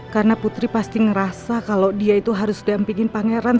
karena putri pasti ngerasa kalau dia itu harus dampingin pangeran